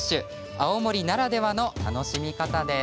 青森ならではの楽しみ方です。